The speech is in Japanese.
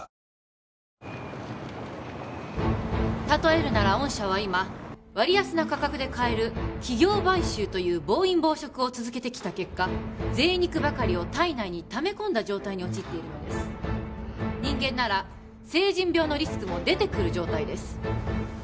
例えるなら御社は今割安な価格で買える企業買収という暴飲暴食を続けてきた結果ぜい肉ばかりを体内にため込んだ状態に陥っているのです人間なら成人病のリスクも出てくる状態です